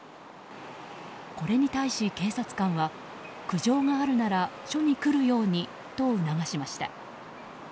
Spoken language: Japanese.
これに対し、警察官は苦情があるなら署に来るようにと促しました。